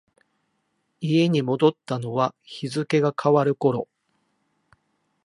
家に戻ったのは日付が変わる頃。